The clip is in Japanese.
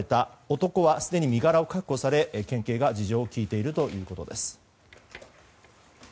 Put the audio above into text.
男はすでに身柄を確保され県警が事情を聴いているということです。